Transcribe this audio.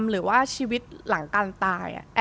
หรือว่าชีวิตหลังการตาย